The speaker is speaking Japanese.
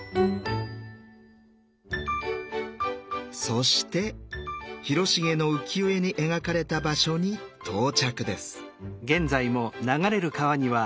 そして広重の浮世絵に描かれた場所に到着です。